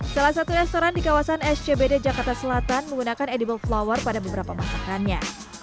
salah satu restoran di kawasan scbd jakarta selatan menggunakan edible flower pada beberapa masakannya